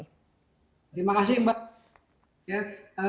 terima kasih mbak